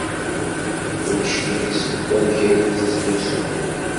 Ur d-clig seg wamek ay tettlusu.